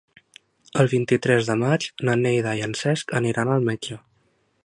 El vint-i-tres de maig na Neida i en Cesc aniran al metge.